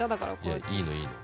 いやいいのいいの。